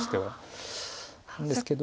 なんですけど。